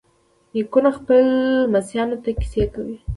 نیکونه خپلو لمسیانو ته کیسې کوي.